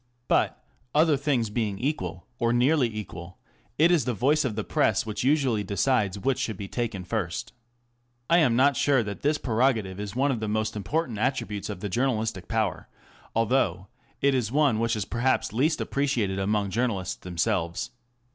But, other things being equal, or nearly equal, it is the voice of the Press which usually decides which should be taken first. I am not sure but that this prerogative is one of the most important attributes of the journalistic power, although it is one which is perhaps least appreciated among journalists themselves.